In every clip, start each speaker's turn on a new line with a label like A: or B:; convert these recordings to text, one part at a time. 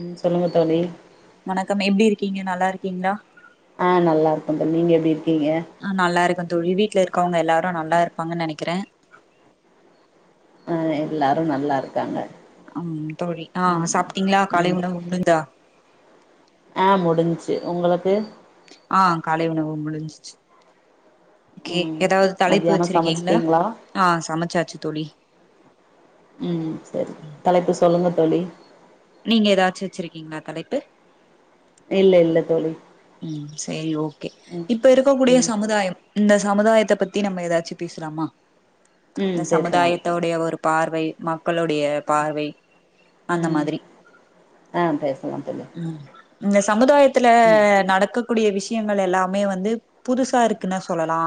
A: உம் சொல்லுங்க தோழி
B: வணக்கம் எப்படி இருக்கீங்க நல்லா இருக்கீங்களா
A: ஆநல்லா இருக்க தோழி நீங்க எப்படி
B: ஆ நல்லா இருக்கோ தோழி வீட்டுல இருக்கவங்க எல்லாரு நல்லா இருப்பாங்கன்னு நினக்கிற
A: அ எல்லாரும் நல்லா இருக்காங்க
B: ம் தோழி ஆ
A: ம்
B: சாப்ட்டீங்களா காலை
A: ம்
B: உணவு முடிந்ததா
A: ஆ முடிஞ்ச்சு உங்களுக்கு
B: ஆ காலை உணவு முடுஞ்சிச்சு ஓகே
A: ம்
B: ஏதாவது தலைப்பு
A: மத்தியானோ
B: வச்சிருக்கீங்களா
A: சமச்சுட்டீங்களா
B: ஆ சமைச்சாச்சு தோழி
A: உம் செரி தலைப்பு சொல்லுங்க தோழி
B: நீங்க ஏதாச்சு வச்சிருக்கீங்களா தலைப்பு
A: இல்ல இல்ல தோழி
B: ம் சேரி ஓகே
A: ம்
B: இப்ப இருக்க கூடிய
A: ம்
B: சமுதாயம் இந்த சமுதாயத்த பத்தி நம்ம ஏதாச்சு பேசலாமா இந்த
A: ம் பேசலா
B: சமுதாயத்தோடைய ஒரு பார்வை மக் களுடைய பார்வை அந்த
A: ம்
B: மாதிரி
A: ஆ பேசலா தோழி
B: ம் இந்த சமுதாயத்துல
A: ம்
B: க்க கூடிய விஷயங்கள் எல்லாமே வந்து புதுசா இருக்குன்னு சொல்லலா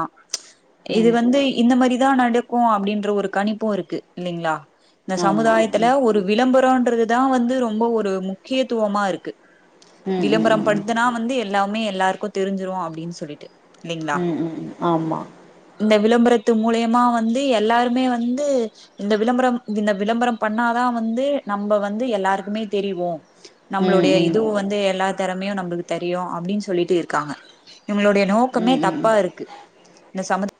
B: இது
A: ம்
B: வந்து இந்த மாதிரிதா நடக்கு அப்டின்ற ஒரு கணிப்பு இருக்கு இல்லைங்களா இந்த
A: ஆமா
B: சமுதாயத்துல
A: ம்
B: ஒரு விளம்பரோன்றது இதா வந்து ரொம்ப ஒரு முக்கியத்துவமா இருக்கு
A: ம் ம்
B: விளம்பரம்
A: ம் ம்
B: படுத்தனா வந்து எல்லாமே எல்லாருக்கு தெரிஞ்சிரு அப்டின்னு சொல்லீட்டு
A: ம் ம் ம் ஆமா
B: இந்த விளம்பரத்து மூலியமா வந்து எல்லாருமே வந்து இந்த விளம்பரம் இந்த விளம்பரம் பண்ணாதா வந் வந்து நம்ப வந்து எல்லாருக்குமே தெரியிவோ
A: ம்
B: நம்பளுடைய
A: ம் ம்
B: இதுவு வந்து எல்லா திறமையு நம்பளுக்கு தெரியு அப்டின்னு சொல்லீட்டு இருக்காங்க இவங்களோடைய நோக்கமே
A: ம் ம்
B: தப்பா இருக்கு இந்த சமுதா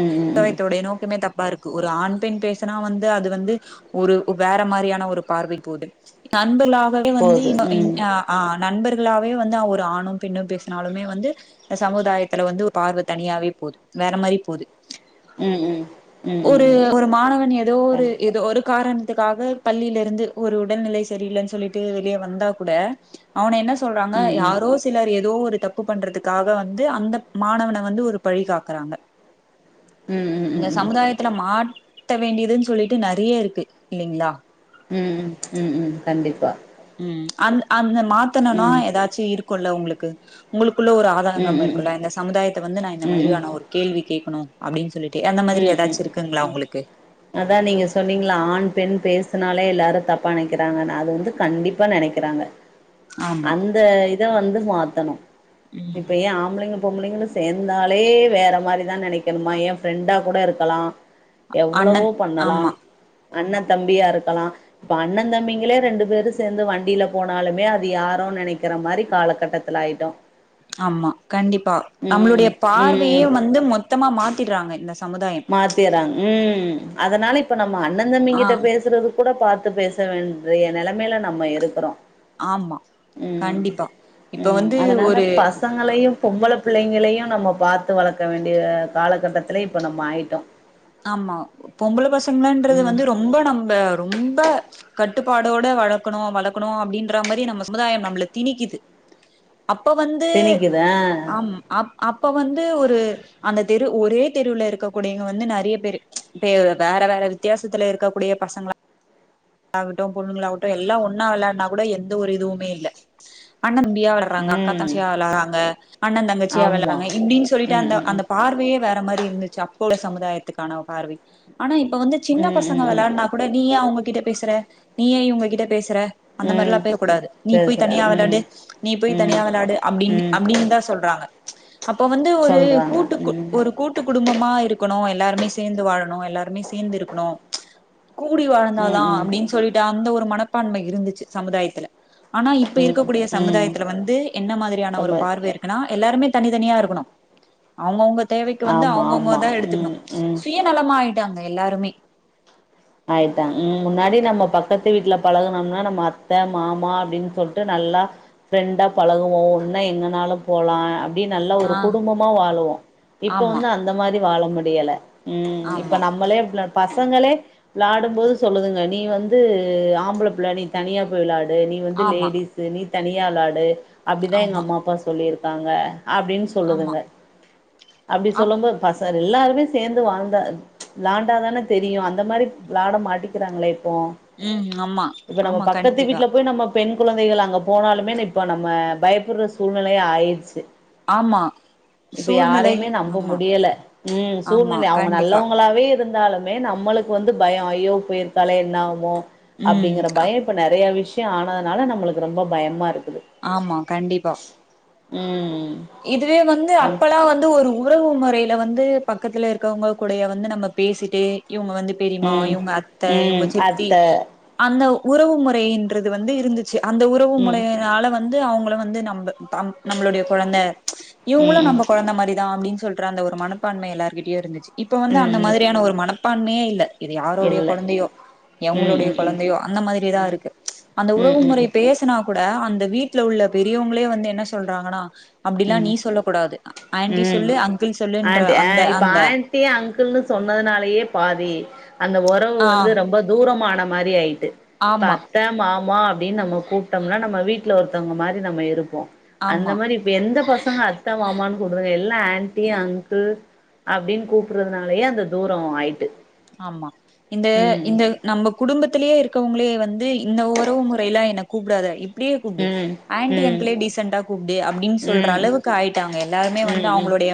A: ம் ம் ம்
B: யத்தோட நோக்கமே தப் பா இருக்கு ஒரு ஆண் பெண் பேசனா வந்து அது வந்து ஒரு வேற மாரியான ஒரு பார்வை போது நண்பர்களாகவே வந்து
A: போது
B: இன்ன
A: ம்
B: இன் ஆ ஆ நண்பர் நல்லாவே வந்து அவ ஒரு ஆணும் பெண்ணும் பேசினாலுமே வந்து சமுதாயத்துல வந்து ஒரு பார்வை தனியாவே போது வேற மாரி போது
A: ம் ம் ம்
B: ஒரு
A: ம்
B: ஒரு மாணவன் ஏதோ
A: கண்டிப்பா
B: ஒரு இது ஒரு காரணத்துக்காக பள்ளியில இருந்து ஒரு உடல்நிலை சரியில்லன்னு சொல்லிட்டு வெளிய வந்தா கூட அவன என்ன சொல்றாங்க
A: ம்
B: யாரோ சிலர் ஏதோ ஒரு தப்பு பண்றதுக்காக வந்து அந்த மாணவன வந்து ஒரு பழி காக் றாங்க
A: ம் ம் ம் ம் ம்
B: இந்த சமுதாயத் துல மாத்த வேண்டியதுன்னு சொல்லீட்டு நெறைய இருக்கு இல்லைங்களா
A: ம் ம் ம் ம் கண்டிப்பா
B: ம் அந் அந்த மாத்னுன்னோ
A: ம்
B: ஏதாச்சு இருக்குல்ல உங்களுக்கு உங்களுக் குள்ள ஒரு
A: ம்
B: ஆதங்கம்
A: ம் ம்
B: இருக்குல இந்த சமுதாயத்த வந்து நா இந்த
A: ம் ம்
B: மாதிரியான ஒரு கேள்வி கேக்கணு அப்டின்னு சொல்லி
A: ம் ம் ம் ம் அதா நீங்க சொன்னீங்களா ஆண் பெண் பேச னாலே எல்லாரு தப்பா நெனைக்கிறாங்கன்னு அது வந்து கண்டிப்பா நெனைக்கிறாங்க
B: ஆமா
A: அந்த இத வந்து மாத்தணு
B: ம்
A: இப்ப ஏ ஆம்பளைங்க பொம்பளைங்களு சேந்தாலே வேற மாரிதா நெனைக்கணுமா ஏ ஃப்ரெண்டா கூட இருக்கலா எவ்வளவோ
B: அண்ணன்
A: பண்ணலா
B: ஆமா
A: அண்ணன் தம்பியா இருக்கலா இப்ப அண்ணன் தம்பிங்களே ரெண்டு பேரு சேந்து வண்டில போனாலுமே அது யாரோ நெனைக்கிற மாரி காலகட்டத்துல ஆயிட்டோ
B: ஆமா கண்டிப்பா
A: ம்
B: நம்மளுடைய பார்வையே
A: ம்
B: வந்து மொத்தமா மாத்திடுறாங்க இந்த சமுதாயம்
A: மாத்தீர்றாங்க ம் அதனால இப்ப நம்ம அண்ண தம்பி
B: ஆ
A: கிட்ட பேசுறது கூட பாத்து பேச இன்றைய நெலமேல நம்ம இருக்குறோ
B: ஆமா
A: ம்
B: கண்டிப்பா இப்ப
A: ம்
B: வந்து
A: அதனால
B: ஒரு
A: பசங்களையு பொம்பள பிள்ளைங்களையு நம்ம பாத்து வளக்க வேண்டிய காலகட்டத்துல இப்ப நம்ம ஆயிட்டோ
B: ஆமா பொம்பள பசங்களன்றது
A: ம்
B: வந்து ரொம்ப நம்ப ரொம்ப கட்டுப்பாடோட வளக்கணு வளக்கணு அப்டின்ற மாரியே நம்ம சமுதாயம் நம்பள திணிக்கிது அப்ப வந்து
A: திணிக்குதா
B: அம் அப் அப்ப வந்து ஒரு அந்த தெரு ஒரே தெருவுல இருக்கக்கூடியங்க வந்து நெற ய பேரு இப்ப வேற வேற வித்தியாசத்துல இருக்கக்கூடிய பசங்களா கட்டு பொண்ணுங்களாகட்டு எல்லா ஒன்னா வெளயாடுனா கூட எந்த ஒரு இதுவுமே இல்ல அண்ண தம்பியா வெளார்றாங்க அக்கா
A: ம்
B: தங்கச்சியா வெளார்றாங்க அண்ணன் தங்கச்சியா
A: ஆமா
B: வெளார்றாங்க இப்டின்னு சொல்லீட்டு
A: ம்
B: அந்த
A: ம்
B: அந்த பார்வை யே வேற மாரி இருந்துச்சி அப் ப உள்ள சமுதாயத்துக்கான பார்வை ஆனா இப்ப வந்து
A: ம்
B: சின்ன
A: ம்
B: பசங்க
A: ம்
B: வெளாடுனா
A: ம்
B: கூட நீ ஏ அவங்க பேசுற நீ ஏன் இவ்ங்ககிட்ட பேசுற அந்த
A: ம்
B: மாரிலா பேக கூடாது நீ போய்
A: பேசுறே
B: தனியா
A: ம்
B: வெளாடு நீ போய்
A: ம்
B: தனியா வெளாடு அப்டின்
A: ம்
B: அப்டின் தா சொல்றாங்க அப்போ வந்து ஒரு
A: சொல்றாங்க
B: கூட்டு கு
A: ம்
B: ஒரு கூட்டு குடும்பமா இரு க்குணு எல்லாருமே சேந்து வாழணு எல்லாருமே சேந்து இருக்குணு கூடி
A: ம்
B: வாழ்ந்தாதா
A: ம்
B: அப்டின் சொல்ட்டு அந்த ஒரு மனப்பான்மை இருந்துச்சு சமுதாயத்துல ஆனா இப்ப
A: ம்
B: இருக்கக்கூடிய
A: ம்
B: சமுதாயத்துல வந்து என்ன மாதிரியான ஒரு
A: ரொம்ப
B: பார்வ இருக்குனா எல்லாருமே தனி தனியா இருக்குணு அவ்ங்கவ்ங்க தேவைக்கு வந்து
A: ஆமா ஆமா
B: அவ்ங்கவ்ங்கதா எடுத்துக்ணு
A: ம் ம்
B: சுயநலமாய் டாங்க எல்லாருமே
A: ஆய்ட்டா ம் முன்னாடி நம்மோ பக்கத்து வீட்ல பழகுனம்னா நம்ம அத்த மாமா அப்டின் சொல்ட்டு நல் ல்லா ஃபிரெண்டா பழகுவோம்னா எங்கனாலு போலா அப் டி நல்லா ஒரு
B: ஆ
A: குடும்பமா வாழுவோ இப்போ
B: ஆமா
A: வந்து அந்த மாரி வாழ முடியல ம் இப்ப
B: ஆமா
A: நம்பளே எடுத்க்லா பசங்களே விளாடும் போது சொல்லுதுங்க நீ வந்து ஆம்புளபிள நீ தனியா போய் விளா டு நீ வந்து
B: ஆமா
A: லேடிஸு நீ தனியா விளாடு அப்டிதா எங்க
B: ஆமா
A: அம்மா அப்பா சொல்லிருக்காங்க அப்டின்
B: ஆமா
A: சொல்லுதுங்க அப்டி
B: அப்
A: சொல்லும் போது பச எல்லாருமே சேர்ந்து வாழ்ந்தா விளாண்டாதான தெரியு அந்த மாரி விளாட மாட்டிக்குறாங்ளே ட்டோ
B: ம் ஆமா
A: இப்ப நம்ம
B: ஆமா
A: பக்கத்து
B: கண்டிப்பா
A: வீட்ல போய் நம்ம பெண் குழந்தைகள் அங்க போனாலுமே நிப்ப நம்ம பயப்டுற சூழ்நலையா ஆயிர்ச்சு
B: ஆமா
A: இப்ப
B: சூழ்நிலை
A: யாரையுமே நம்ப
B: ஆமா
A: முடியல ம்
B: ஆமா
A: சூழ்நெல அவ்ங்க
B: கண்டிப்பா
A: நல்லவுங்குளாவே இருந் தாலுமே நம்மளுக்கு வந்து பயோ ஐயோ போய்ர்க்காலே என்ன ஆகுமோ
B: ம்
A: அப்டிங்கிற
B: அ
A: பய இப்ப நெறையா விஷ்யோ ஆனதுனால நம்மளுக்கு ரொம்பா பயமா இருக்கு
B: ஆமா கண்டிப்பா
A: ம்
B: இதுவே வந்து
A: அம்
B: அப்பலா வந்து ஒரு உறவு மொறைல வந்து பக்கத்துல இருக்கவ்ங்க கூடைய வந்து நம்ம பேசிட்டே இவுங்க வந்து பெரிம்மா
A: ம்
B: இவுங்க அத்த இவுங்க
A: ம்
B: சித்தி
A: அத்த
B: அந்த உறவு முறைன்றது வந்து இருந்துச்சு அந்த உறவு
A: ம்
B: மொலையனால வந்து அவுங்கள வந்து நம்ப கம் நம்முளுடைய கொழந்த
A: ம்
B: இவுங்குளு
A: ம்
B: நம்ம கொழந்த மாரிதா அப்டின் சொல்ற அந்த ஒரு மனப்பான்மை எல்லார்கிட்டியு இருந்துச்சு இப்ப
A: ம்
B: வந்து அந்த
A: ம்
B: மாதிரியான ஒரு மனப்பான்மியே இல்ல இது யாரோடைய
A: இல்ல
B: கொழந்தையோ
A: ம்
B: எவுங்குளுடைய
A: ம் ம்
B: கொழந்தையோ அந்த மாதிரிதா
A: ம்
B: இருக்கு அந்த உறவு
A: ம் ம்
B: முறைய பேசுனா கூட அந்த வீட்ல உள்ள பெரியவங்ளே வந்து என்ன சொல்றாங்கனா அப்டிலா நீ
A: ம்
B: சொல்ல கூடாது ஆன்டி
A: ம்
B: சொல்லு அங்கிள் சொல்லுன்ற
A: ஆன்ட்
B: அந்த
A: ஆ இப்ப
B: அந்த
A: ஆன்ட்டி அங்கிள்ன்னு சொன்னதுனாலயே பா தி அந்த ஒறவு
B: ஆ
A: வந்து ரொம்ப தூரமான மாரி ஆய்ட்டு ப்ப
B: ஆமா
A: அத்த மாமா டின் நம்மோ கூப்டம்னா நம்ம வீட்ல ஒருத்தவ்ங்க மாரி நம்ம இருப்போ அந்த
B: ஆமா
A: மாரி இப்ப எந்த பஸ் சங்க அத்த மாமான் கூப்டுறாங்க எல்லா ஆன்ட்டி அங்கிள் அப்டின் கூப்புடுதுனாலயே அந்த தூரோ ஆய்ட்டு
B: ஆமா இந்த இந்த நம்ம குடும்பத்திலே இருக்கவ்ங்ளே வந்து இந்த ஒறவு முறைலா என்ன கூப்டாத இப்டியே கூப்டு
A: ம்
B: ஆன்டி
A: ம்
B: அங்கிளே டீசண்ட்டா கூப்டு அப்டின் சொல்ற
A: ம்
B: அளவுக்கு ஆய்ட்டாங்க எல்லாருமே
A: ம்
B: வந்து
A: ம் ம்
B: அவுங்குளுடைய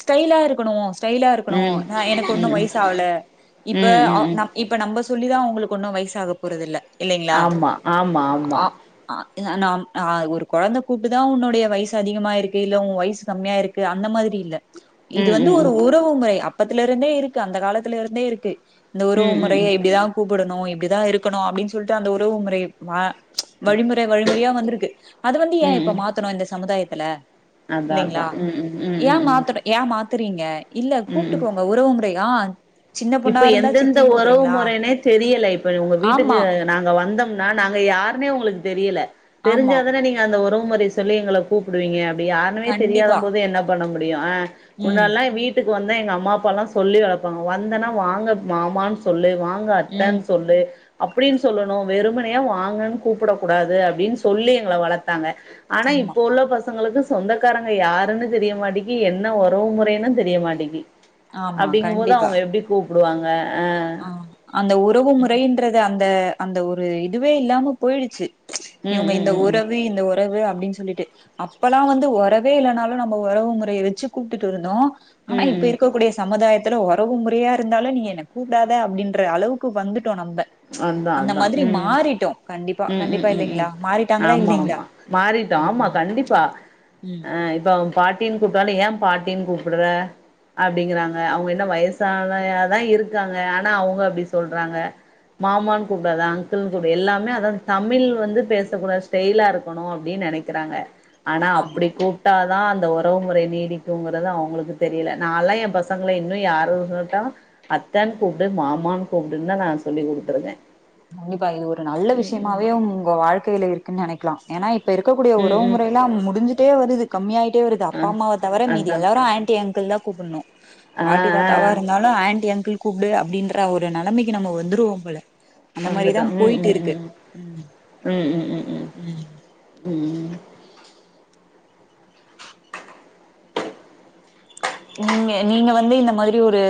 B: ஸ்டைலா இருக்குணு ஸ்டைலா
A: ம்
B: இருக்குணு நா எனக் கொண்ணு
A: ம்
B: வய்ஸ் ஆவுல இப்ப
A: ம்
B: அ
A: ம் ம்
B: நம் இப்ப நம்ப சொல்லிதா உங்களுக்கு ஒண்ணு வய்சாக போறதில்ல இல்லைங்ளா
A: ஆமா ஆமா ஆமா
B: அ அ இல்ல நாம் ஆ ஒரு கொழந்த கூப்ட்டு தா உன்னுடைய வய்சு அதிகமாயிருக்கு இல்ல உன் வய்சு கம்மியா இருக்கு அந்த மாதிரி இல்ல இது
A: ம்
B: வந்து
A: ம்
B: ஒரு உறவு முறை அப்பத்துல இருந்தே இருக்கு அந்த காலத்துல இருந்தே இருக்கு இந்த
A: ம்
B: உறவு
A: ம் ம்
B: முறைய
A: ம்
B: இப்டிதா கூப்புடணு இப்டிதா இருக்கணு அப்டின் சொல்ட்டு அந்த உறவு முறைய வா வழிமுறை வழிமுறையா வந்திருக்கு அது வந்து ஏன்
A: ம்
B: இப்ப
A: ம்
B: மாத்தணு இந்த சமுதாயத்துல
A: அதா அதா
B: இல்லைங்ளா
A: ம் ம் ம்
B: ஏன்
A: ம் ம்
B: மாத்துற ஏன் மாத்துறீங்க இல்ல
A: ம் ம்
B: கூப்ட்டுக்கோங் ரையான்
A: இப்ப எந்தெந்த உறவு முறைனே தெரியல இப்ப உங்க வீட்டுக்கு
B: ஆமா
A: நாங்க வந்தோ னா நாங்க யாருனே உங்களுக் தெரியல
B: ஆமா
A: தெரிஞ்சாதனே நீங்க அந்த உறவு முறை சொல்லி எங்கள கூப்பிடுவீங்க அப்படி யாருமே தெரியாத
B: கண்டிப்பா
A: போது என்ன பண்ண முடியு ஆ
B: ம்
A: முன்னால்லா வீட் வீட்டுக்கு வந்த எங்க அம்மா அப்பா எல்லா சொல்லி வளர்பாங்க வந்தனா வாங்க மாமனு சொல்லு வாங்க இவங்க
B: ம்
A: அத்தன்னு சொல்லு அப்படின்னு சொல்லணு வெறுமனையா வாங்கன்னு கூப்பிட கூடாது அப்படின்னு சொல்லி எங்கள வளத்தாங்க ஆனா
B: ஆமா
A: இப்போ உள்ள பசங்களுக்கு சொந்தக்காரங்க யாருன்னு தெரியமாட்டேக்கி என்ன உறவு முறைன்னு தெரிய மாட்டேக்கி
B: ஆமா
A: அப்படிங்கம்போது
B: கண்டிப்பா
A: அவங்க எப்படி கூப்பிடுவாங்க
B: ஆ அந்த உறவு முறைன்றது அந்த அந்த ஒரு இதுவே இல்லாம போயிடுச்சு
A: ம்
B: இவங்க
A: ம்
B: இந்த
A: ம்
B: உறவு
A: ம்
B: இந்த உறவு அப்படின்னு சொல்லிட்டு அப்பல்லா வந்து உறவே இல்லனாலு நம்ம உறவு முறையை வச்சு கூப்பிட்டு இருந்தோ ஆனா
A: ம்
B: இப்ப
A: ம்
B: இருக்கக்கூடிய சமுதாயத்துல உறவு முறையா இருந்தாலு நீ என்ன கூப்டாத அப்படின்ற அளவுக்கு வந்துட்டோ நம்ம அந்த மாதிரி மாறிட்டோ கண்டிப்பா
A: உம் உம்
B: கண்டிப்பா
A: உம் உம்
B: இல்லைங்களா மாறிட்டாங்களா
A: ஆமா
B: இல்லைங்களா
A: ஆமா மாறிட்டோ
B: ம்
A: ஆமா
B: ம்
A: கண்டிப்பா
B: ம்
A: ஆ இப்ப அவ பாட்டின்னு கூப்பிட்டாலு ஏ பாட்டின்னு கூப்பிடுற அப்படிங்கறாங்க அவங்க என்ன வயசானாதா இருக்காங்க ஆனா அவங்க அப்படி சொல்றாங்க மாமனு குப்புடாதா அங்கிள்னு கூப்பிடு எல்லாமே தமிழ் வந்து பேசக்கூட ஸ்டைலா இருக்கணு அப்படின்னு நினைக்கிறாங்க ஆனா
B: ஆமா
A: அப்படி கூப்ட்டா ஆ அந்த உறவு முறை நீடிக்குங்கறத அவங்களுக்கு தெரியல நால்லா எ பசங்களை இன்னு யாரும சொல்லட்டா அத்தன்னு கூப்பிடு மாமான்னு கூப்பிடுன்னா நா சொல்லி் கொடுத்துருக்க
B: கண்டிப்பா இது ஒரு நல்ல விஷயமாவே உ உங்க வாழ்க்கையில இருக்குன்னு நினைக்கலா ஏன்னா இப்ப இருக்கக்கூடிய
A: ம்
B: உறவு
A: ம்
B: முறைல்லா முடிச்சட்டே வருது கம்மியாயிட் டே வருது
A: ஆ
B: அப்பா அம்மாவ தவிர மிதி
A: அதா
B: எல்லாரு ஆண்டீ அங்கிள் தா கூப்பிடணு
A: ஆ
B: பாட்டி
A: ஆ
B: தாத்தாவா இருந்தாலு ஆன்டி அங்கிள் கூப்பிடு அப்படின்ற ஒரு நிலைமைக்கு நம்ம வந்துருவோம் போல அந்த மாதிரிதா
A: வந்துட்டோ ம்
B: போயிட்டு
A: ம்
B: இருக்கு
A: ம்
B: உம் உம்
A: உம்
B: நீங்க நீங்க வந்து இந்த மாதிரி ஒரு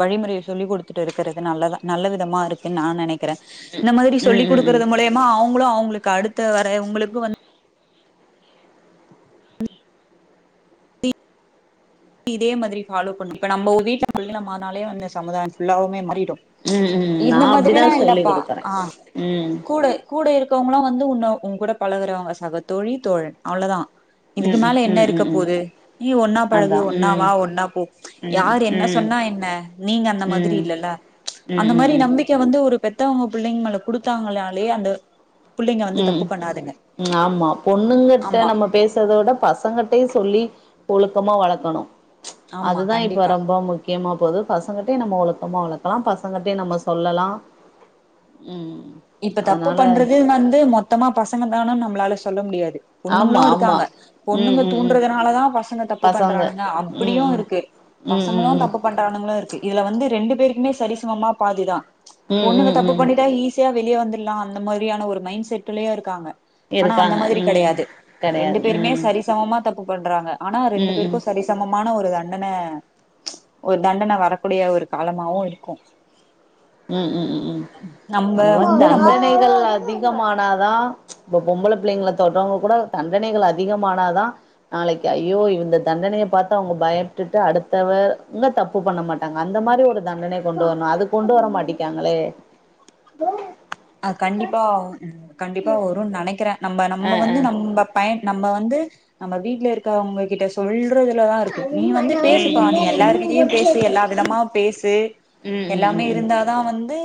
B: வழிமுறைய சொல்லி் கொடுத்துட்டு இருக்கிறது நல்லதா நல்ல விதம் மா இருக்கு நா நினைக் கிற இந்த மாதிரி
A: ம் ம் ம்
B: சொல்லி்
A: ம் ம்
B: கொடுக்கறது மூலயமா அவங்களு அவங்களுக்கு அடுத்த வர உங்களுக்கு வந்து இதே மாதிரி ஃபாலோ பண்ணி இப்ப நம்ம வீட்ட முள்ளி நமனாலே வந்த சமுதாய ஃபுல்லவுே மா
A: ம் ம் நா
B: இந்த மாதிரி
A: அப்டிதா
B: எல்லா
A: சொல்லி
B: இல்லப்பா
A: குடுக்குறே
B: ஆ
A: ம்
B: கூட கூட இரு இருக்கவங்களா வந்து உ உங்க கூட பழகுறவங்க சக தோழி தோழன் அவ்ளதா இதுக்கு
A: ம் ம்
B: மேல என்ன
A: ம்
B: இருக்க
A: ம் ம்
B: போகுது நீ ஒன்னா பழகு
A: அதா ம்
B: ஒன்னாவா ஒன்னா போ
A: ம்
B: யார்
A: ம்
B: என்ன
A: ம்
B: சொன்னா என்ன நீங்க அந்த மாதிரி
A: ம்
B: இல்லல்ல அந்த
A: ம் ம்
B: மாதிரி
A: ம்
B: நம்பிக்க வந்து ஒரு பெத்தவங்க பிள்ளைங்க மேல குடுத்தாங்கனாலே அந்த பிள்ளைங்க வந்து தப்பு பண்ணாதுங்க
A: உ ஆமா பொண்ணுங்கட்ட
B: ஆமா
A: நம்ம பேசுறத விட பசங்கட்டையு சொல்லி ஒழுக்கமா வளக்கணு
B: ஆமா
A: அதுதா இப்ப
B: கண்டிப்பா
A: ரொம்ப முக்கியமா போது பசங்கிட்டையு நம்ம ஒழுக்கமா வளக்கலா பசங்கட்டயு நம்ம சொல்லலா உம்
B: இப்ப தப்பு பண்றது வந்து மொத்தமா பசங்க தானும்னு நம்மலால சொல்ல முடியாது பொண்ணுங்களு
A: ஆமா ஆமா
B: இருக்காங்க
A: ம்
B: பொண்ணுங்க
A: ம் ம்
B: தூன்றதுனால தா பசங்க தப்பு
A: பசங்க
B: பண்றானுங்க
A: ம்
B: அப்படியு
A: ம்
B: இருக்கு
A: ம் ம்
B: பசங்களு
A: ம்
B: தப்பு பண்றவங்களு இருக்கு இதுல வந்து ரெண்டு பேருக்குமே சரி சமமா பாதிதா
A: ம்
B: பொண்ணுங்க
A: ம்
B: தப்பு
A: ம்
B: பண்ணிட்டா ஈச சியா வெளிய வந்துரலா அந்த மாதிரியான ஒரு மைண்ட் செட்லயு இருக்காங்க ஆனா அந்த
A: இருக்காங்க
B: மாதிரி
A: ம்
B: கிடையாது ரெண்டு
A: கெடையாது
B: பேருமே
A: ம்
B: சரிசமமா தப்பு பண்றாங்க ஆனா ரெண்டு
A: ம் ம் ம்
B: பேருக்கு சரிசம மான ஒரு தண்டன ஒரு தண்டன வரக்கூடிய ஒரு காலமாவு இருக்கு
A: ம் ம் ம் ம்
B: நம்ம
A: அந்த மாரி
B: வந்து நம்ம
A: தண்டனைகள் அதிகமானாதா இப்ப பொம்பளை பிள்ளைங்கள தொட்றவங்க கூட தண்டனைகள் அதிகமானாதா நாளைக்கு ஐயோ இந்த தண்டனை பாத்து அவங்க பயப்டுட்டு அடுத்தவ இன்னு தப்பு பண்ண மாட்டாங்க அந்த மாரி ஒரு தண்டனை கொண்டு வரணு அது கொண்டு வர டீக்காங்களே
B: அ கண்டிப்பா கண்டிப்பா வரு நினைக்கிறே நம்ம
A: அ
B: நம்ம வந்து
A: அ
B: நம்ம பயன் நம்ம வந்து நம்ம வீட்ல இருக்கவங்ககிட்ட சொல் றதுலதா இருக்கு நீ வந்து பேசுப்பா நீ எல்லார்கிட்டயு பேசு எல்லா விதமா பேசு
A: ம் ம்
B: எல்லாமே
A: ம்
B: இருந்தாதா வந் து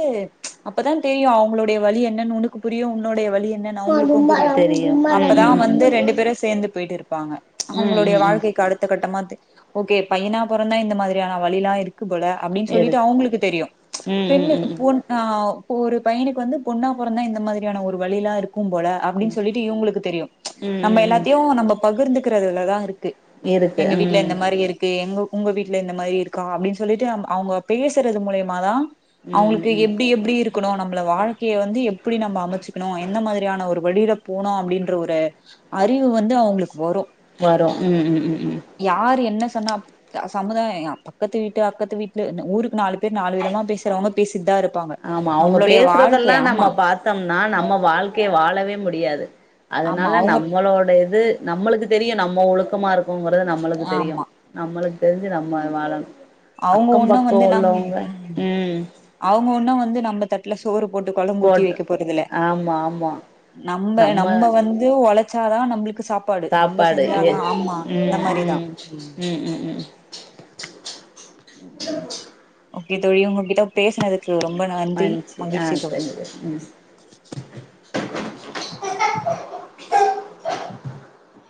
B: அப்பதா தெரியு அவங்களுடைய வலி என்னன்னு உனக்கு புரியு உன்னுடைய வலி என்னன்னு அவங்களுக்கு
A: ம்
B: புரியு
A: தெரியு ம் ம்
B: அப்பதா
A: ம்
B: வந்து
A: ம்
B: ரெண்டு பேரு சேர்ந்து போயிட்டு இருப்பாங்க அவங்களுடைய
A: ம் ம்
B: வாழ்க்கைக்கு அடுத்த கட்டமா ஓகே பையனா பொறந்தா இந்த மாதிரியான வலிலா இருக் போல அப்டினு சொல்லிட்டு
A: இருக்கு
B: அவங்களுக்கு தெரியு
A: ம் ம்
B: பெண்ணு
A: ம் ம்
B: பொன் ஆ ஒரு பையனுக்கு வந்து பொண்ணா பொறந்தா இந்த மாதிரியான ஒரு வலிலா இருக் க்கும் போல
A: ம் ம்
B: அப்டின் சொல்லிட்டு இவங்களுக்கு தெரியு
A: ம்
B: நம்ம
A: ம்
B: எல்லாத்தையு நம்ம பகிர்ந்துக்கிறதுலதா இருக்கு க்கு
A: இருக்கு
B: எங்க
A: ம்
B: வீட்ல இந்த மாரி
A: ம்
B: இருக்கு எங்க உங்க வீட்ல இந்த மாரி இருக் கா அப்டின்னு சொல்லிட்டு அவங்க பேசுறது மூலியமா தா
A: ம்
B: அவங்களுக்கு
A: ம்
B: எப்டி எப்டி இருக் க்கனு நம்மள வாழ் கைய வந்து எப்படி நம்ம அமைச்சுக்கணு எந்த மாரியான ஒரு வழியில போணு அப்டின்ற ஒரு அறிவு வந்து ண அவங்களுக்கு வரு
A: வரு ம் ம் ம் ம்
B: யாரு என்ன சொன்னா சமுதாய பக்கத்து வீட்டு அக்கத்து வீட்டு ஊருக்கு நாலு பே நாலு விதமா பேசுறவங்க பேசிட்தா இரு
A: ஆமா அவங்க பேசுறதெல்லா நம்ம பாத்தோம்னா நம்ம வாழ்க்கைய வாழவே முடியாது
B: ஆமா
A: அதனால
B: அவங்க
A: நம்மளோட இது நம்மளுக் தெரியு நம்ம ஒழுக்கமா இருக்கங்கறது நம்மளுக்கு தெரியு
B: ஆமா
A: நம்மளுக்கு தெரிஞ்சு நம்ம வாழணு
B: அவங்க
A: அக்கம்
B: ஒண்ணு
A: பக்கோ
B: வந்து நம்
A: உள்ளவங்க ம்
B: அவங்க ஒண்ணு வந்து நம்ம தட்ல சோறு போட்டு குழம்பு ஊத்தி
A: போட்டு
B: வைக்க போறதுல
A: ஆமா ஆமா
B: நம்ம நம்ம வந்து உழச் சா தா நம்மளுக் சாப்பாடு நம்ம செஞ்சாதா ஆமா இந்த மாரிதா ம் [inaudible] ஓகே தோழி உங்ககிட்ட பேசுனது
A: மகிழ்ச்சி ஆ சரி ம் [unintelligible]